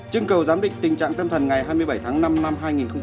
chương cầu giám định tình trạng tâm thần ngày hai mươi bảy tháng năm năm hai nghìn hai mươi